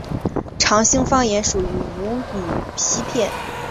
长兴方言属于吴语苕溪片。